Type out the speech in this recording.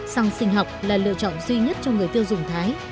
xăng sinh học là lựa chọn duy nhất cho người tiêu dùng thái